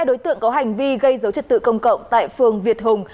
một mươi hai đối tượng có hành vi gây dấu chất tự công cộng tại phường việt hùng